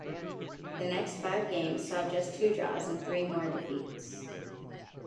The next five games saw just two draws and three more defeats.